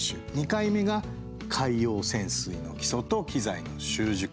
２回目が海洋潜水の基礎と機材の習熟。